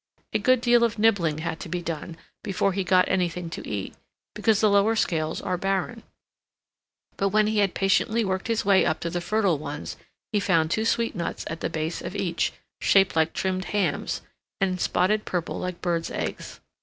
A good deal of nibbling had to be done before he got anything to eat, because the lower scales are barren, but when he had patiently worked his way up to the fertile ones he found two sweet nuts at the base of each, shaped like trimmed hams, and spotted purple like birds' eggs.